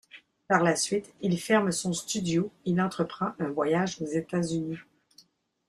Par la suite, il ferme son studio il entreprend un voyage aux États-Unis.